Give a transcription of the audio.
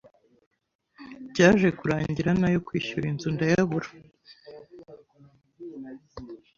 Byaje kurangira n’ayo kwishyura inzu ndayabura.